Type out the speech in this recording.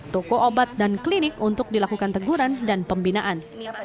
toko obat dan klinik untuk dilakukan teguran dan pembinaan